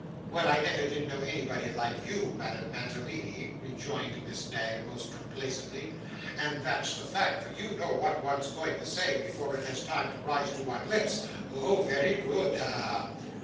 'Well, I never did know anybody like you, Madame Mantalini,' rejoined Miss Knag most complacently, 'and that's the fact, for you know what one's going to say, before it has time to rise to one's lips. Oh, very good! Ha, ha, ha!